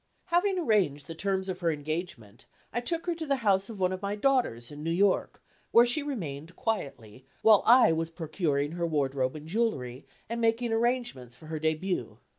Having arranged the terms of her engagement, I took her to the house of one of my daughters in New York, where she remained quietly, while I was procuring her wardrobe and jewelry, and making arrangements for her début.